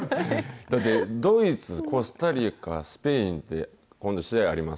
だってドイツ、コスタリカ、スペインって、今度、試合あります